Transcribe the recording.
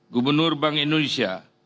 gubernur bank indonesia